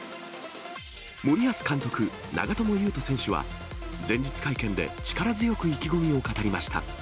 森保監督、長友佑都選手は、前日会見で力強く意気込みを語りました。